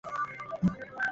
ওর মা এয়ারপোর্টে আছে।